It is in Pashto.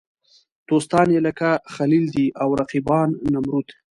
دوستان یې لکه خلیل دي او رقیبان نمرود.